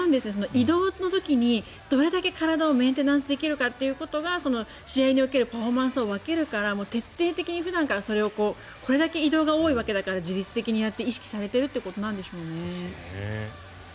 移動の時にどれだけ体をメンテナンスできるかってことが試合におけるパフォーマンスを分けるから徹底的に普段からこれだけ移動が多いから自律的にやって意識されてるってことなんでしょうね。